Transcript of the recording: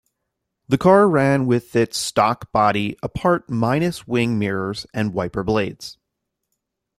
The car ran with its stock body apart minus wing mirrors and wiper blades.